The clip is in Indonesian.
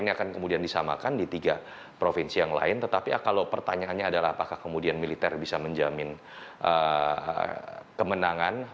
ini akan kemudian disamakan di tiga provinsi yang lain tetapi kalau pertanyaannya adalah apakah kemudian militer bisa menjamin kemenangan